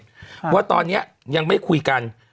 เพราะว่าตอนนี้ยังไม่คุยกัน